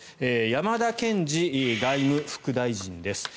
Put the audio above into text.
山田賢司外務副大臣です。